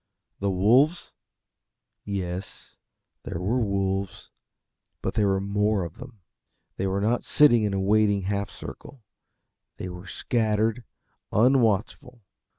The wolves? Yes, there were the wolves but there were more of them. They were not sitting in a waiting half circle they were scattered, unwatchful.